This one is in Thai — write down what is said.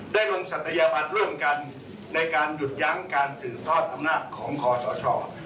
ได้ลงศัตรยาบัตรร่วมกันในการหยุดยั้งการสื่อทอดธรรมนาฏของคอช่อช่อ